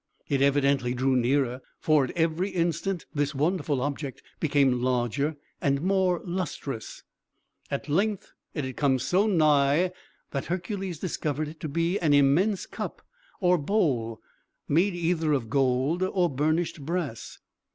It evidently drew nearer; for, at every instant, this wonderful object became larger and more lustrous. At length, it had come so nigh that Hercules discovered it to be an immense cup or bowl, made either of gold or burnished brass.